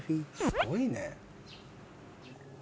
すごいね。